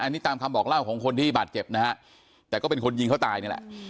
อันนี้ตามคำบอกเล่าของคนที่บาดเจ็บนะฮะแต่ก็เป็นคนยิงเขาตายนี่แหละ